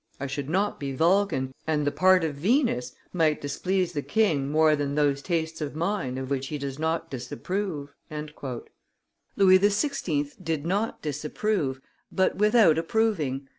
"I should not be Vulcan, and the part of Venus might displease the king more than those tastes of mine of which he does not disapprove." Louis XVI. did not disapprove, but without approving.